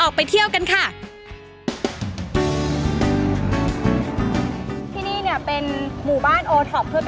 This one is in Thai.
อาหารที่สุดในประวัติศาสตร์